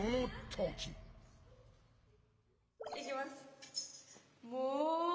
いきます。